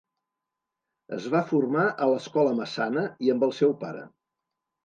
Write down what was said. Es va formar a l'escola Massana i amb el seu pare.